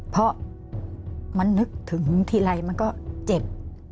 เพราะมันนึกถึงทีไรมันก็เจ็บ